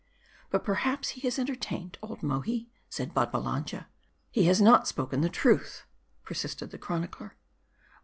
" But perhaps he has entertained, old Mohi," said Babba lanja. "He has hot spoken the truth," persisted the chronicler.